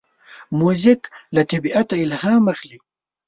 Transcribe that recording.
موزیک له طبیعته الهام اخلي.